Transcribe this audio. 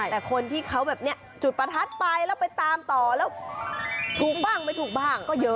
แต่คนที่เขาแบบนี้จุดประทัดไปแล้วไปตามต่อแล้วถูกบ้างไม่ถูกบ้างก็เยอะ